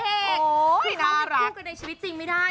พี่มัดพูดเราก็คูกกันในชีวิตจริงไม่ได้